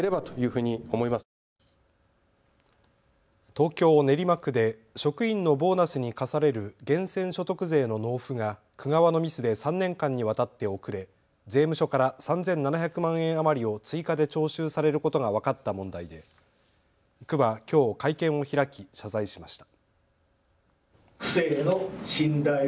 東京練馬区で職員のボーナスに課される源泉所得税の納付が区側のミスで３年間にわたって遅れ税務署から３７００万円余りを追加で徴収されることが分かった問題で区はきょう会見を開き謝罪しました。